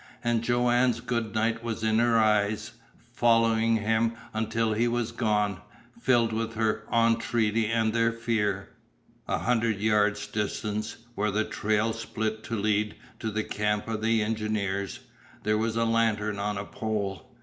And Joanne's good night was in her eyes following him until he was gone, filled with their entreaty and their fear. A hundred yards distant, where the trail split to lead to the camp of the engineers, there was a lantern on a pole.